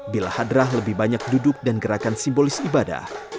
bila hadrah lebih banyak duduk dan gerakan simbolis ibadah